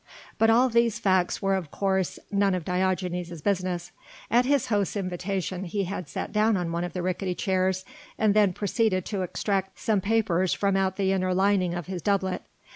But all these facts were of course none of Diogenes' business. At his host's invitation he had sat down on one of the ricketty chairs and then proceeded to extract some papers from out the inner lining of his doublet.